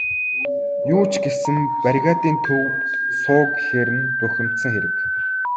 Юу ч гэсэн бригадын төвд суу гэхээр нь бухимдсан хэрэг.